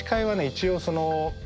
一応その。